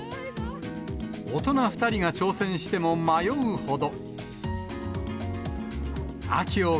大人２人が挑戦しても迷うほど。